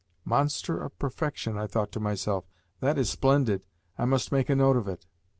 "'Monster of perfection,'" I thought to myself. "That is splendid. I must make a note of it."